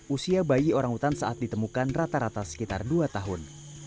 usia bayi orangutan saat ditemukan rata rata sekitar dua tahun